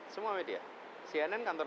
semua media cnn kantor